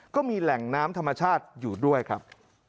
ก็มีแหล่งน้ำธรรมชาติอยู่ด้วยครับ